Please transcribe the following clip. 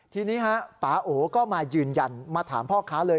ทีนี้ฮะปาโอก็มายืนยันมาถามพ่อค้าเลย